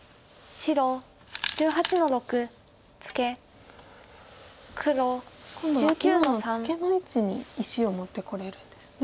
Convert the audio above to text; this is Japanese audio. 黒１９の三。今度は今のツケの位置に石を持ってこれるんですね。